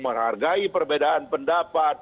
menghargai perbedaan pendapat